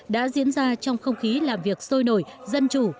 đã diễn ra trong không khí làm việc sôi nổi dân chủ